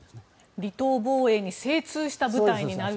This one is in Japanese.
離島防衛に精通した部隊になると。